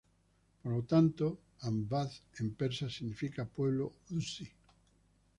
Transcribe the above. Por lo tanto, "Ahvaz" en persa significa "pueblo huz-i".